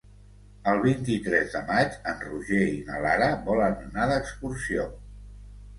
El vint-i-tres de maig en Roger i na Lara volen anar d'excursió.